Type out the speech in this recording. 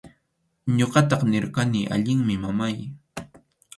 Ñuqataq nirqani: allinmi, mamáy.